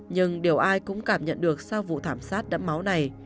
nhưng điều ai cũng cảm nhận được sau vụ thảm sát đẫm máu này